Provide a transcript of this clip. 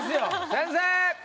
先生！